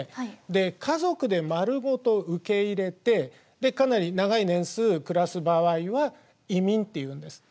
で家族で丸ごと受け入れてかなり長い年数暮らす場合は移民って言うんです。